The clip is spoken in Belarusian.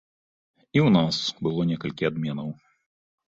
І ў нас было некалькі адменаў.